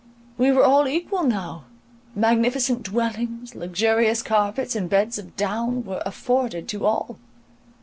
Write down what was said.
We were all equal now; magnificent dwellings, luxurious carpets, and beds of down, were afforded to all.